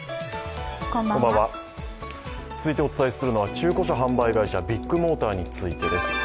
続いてお伝えするのは中古車販売会社、ビッグモーターについてです。